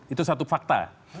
itu satu faktornya